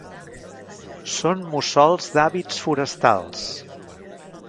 Són mussols d'hàbits forestals.